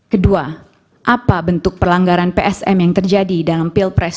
kedua apa bentuk pelanggaran tsm yang terjadi dalam pilpres dua ribu dua puluh empat